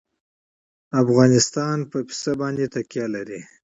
افغانستان په پسه باندې تکیه لري.